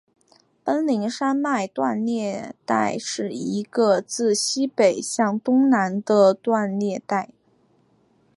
奔宁山脉断裂带是一个自西北向东南的断裂带。